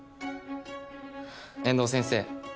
遠藤先生。